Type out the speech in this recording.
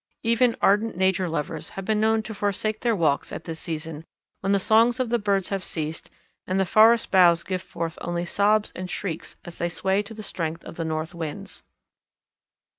Even ardent nature lovers have been known to forsake their walks at this season when the songs of the birds have ceased and the forest boughs give forth only sobs and shrieks as they sway to the strength of the north winds.